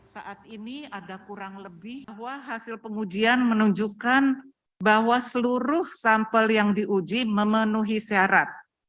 saat ini ada kurang lebih bahwa hasil pengujian menunjukkan bahwa seluruh sampel yang diuji memenuhi syarat